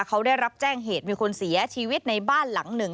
เขาได้รับแจ้งเหตุมีคนเสียชีวิตในบ้านหลังหนึ่ง